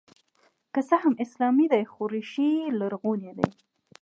که څه هم اسلامي دی خو ریښې یې لرغونې دي